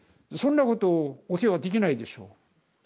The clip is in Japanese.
そんなことお世話できないでしょ